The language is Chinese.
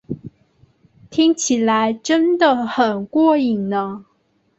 听起来真得很过瘾呢